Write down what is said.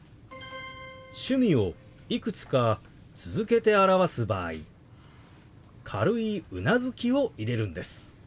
趣味をいくつか続けて表す場合軽いうなずきを入れるんです。